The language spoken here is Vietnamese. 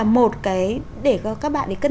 một cái để các bạn